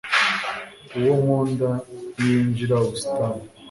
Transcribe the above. uwo nkunda niyinjire ubusitani